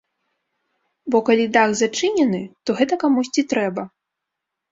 Бо калі дах зачынены, то гэта камусьці трэба.